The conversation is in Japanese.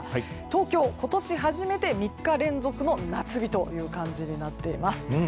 東京、今年初めて３日連続の夏日という感じになってます。